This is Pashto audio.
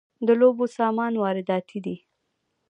د لوبو سامان وارداتی دی؟